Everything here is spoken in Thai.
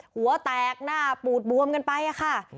หัวแตกหน้าปูดบวมกันไปค่ะ